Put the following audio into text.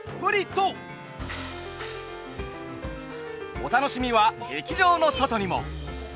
お楽しみは劇場の外にも。